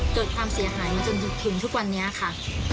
เกิดความเสียหายมาจนถึงทุกวันนี้ค่ะ